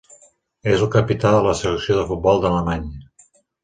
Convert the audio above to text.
És el capità de la selecció de futbol d'Alemanya.